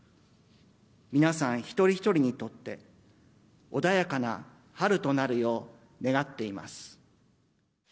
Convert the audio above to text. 皆さん一人一人にとって、穏やかな春となるよう願っています。